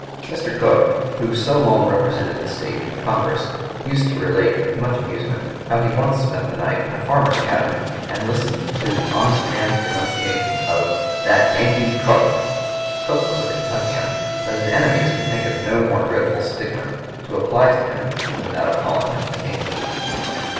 Mr. Cook, who so long represented the State in Congress, used to relate with much amusement how he once spent the night in a farmer's cabin, and listened to the honest man's denunciations of "that Yankee Cook." Cook was a Kentuckian, but his enemies could think of no more dreadful stigma to apply to him than that of calling him a Yankee.